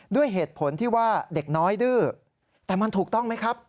ด้วยเหตุผลที่ว่าเด็กน้อยดื้อแต่มันถูกต้องไหมครับ